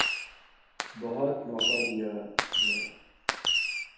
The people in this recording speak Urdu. بہت موقع دیا گیا۔